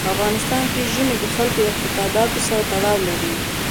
په افغانستان کې ژمی د خلکو د اعتقاداتو سره تړاو لري.